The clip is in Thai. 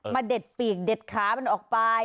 เด็ดปีกเด็ดขามันออกไป